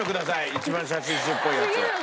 一番写真集っぽいやつ。